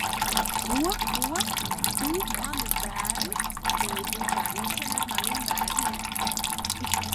Ko, ko? Tu manus bērnus? Tev būs darīšana ar maniem bērniem!